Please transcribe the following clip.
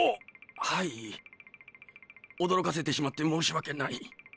はい驚かせてしまって申し訳ない。